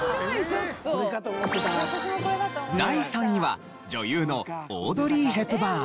第３位は女優のオードリー・ヘプバーン。